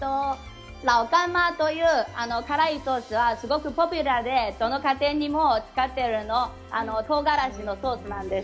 この辛いソースは、すごくポピュラーでどの家庭にも使っているとうがらしのソースなんです。